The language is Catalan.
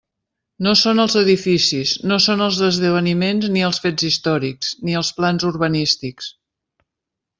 No són els edificis, no són els esdeveniments, ni els fets històrics, ni els plans urbanístics.